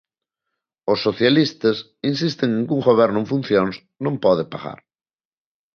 Os socialistas insisten en que un goberno en funcións non pode pagar.